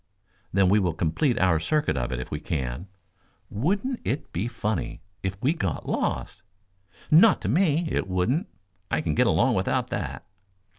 "Then we will complete our circuit of it if we can. Wouldn't it be funny if we got lost?" "Not to me, it wouldn't. I can get along without that."